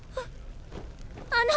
あの！